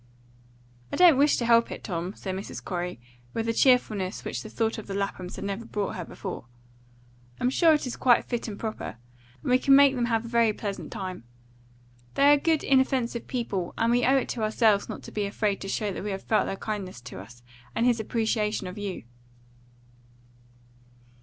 "I don't wish to help it, Tom," said Mrs. Corey, with a cheerfullness which the thought of the Laphams had never brought her before. "I am sure it is quite fit and proper, and we can make them have a very pleasant time. They are good, inoffensive people, and we owe it to ourselves not to be afraid to show that we have felt their kindness to us, and his appreciation of you."